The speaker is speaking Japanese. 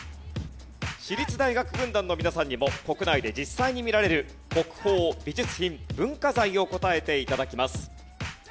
私立大学軍団の皆さんにも国内で実際に見られる国宝美術品・文化財を答えて頂きます。